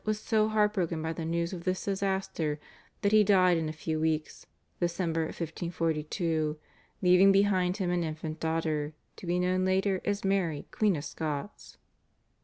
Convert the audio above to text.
was so heartbroken by the news of this disaster that he died in a few weeks (Dec. 1542) leaving behind him an infant daughter, to be known later as Mary Queen of Scots.